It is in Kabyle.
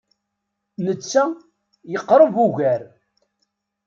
Netta yeqreb ugar.